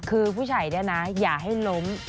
คือผู้ชายเนี่ยนะอย่าให้ล้ม